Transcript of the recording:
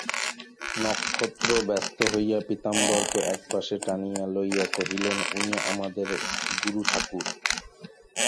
নক্ষত্র ব্যস্ত হইয়া পীতাম্বরকে এক পাশে টানিয়া লইয়া কহিলেন, উনি আমাদের গুরুঠাকুর।